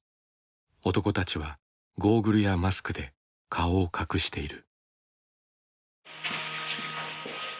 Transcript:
男たちはゴーグルやマスクで顔を隠している。